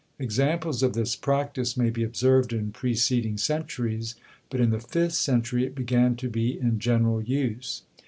Examples of this practice may be observed in preceding centuries, but in the fifth century it began to be in general use.